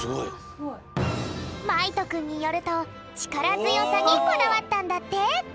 まいとくんによるとちからづよさにこだわったんだって。